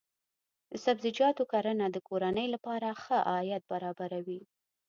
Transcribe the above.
د سبزیجاتو کرنه د کورنۍ لپاره ښه عاید برابروي.